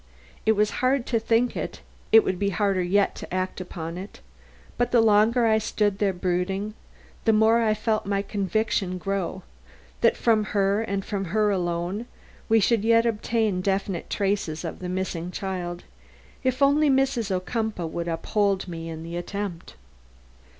It was hard to think it; it would be harder yet to act upon it; but the longer I stood there brooding, the more I felt my conviction grow that from her and from her alone, we should yet obtain definite traces of the missing child, if only Mrs. Ocumpaugh would uphold me in the attempt.